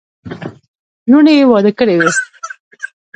لوڼي یې واده کړې وې.